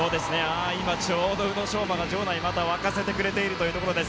今ちょうど宇野昌磨が場内をまた沸かせているという状態です。